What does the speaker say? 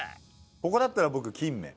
ここだったら僕金目。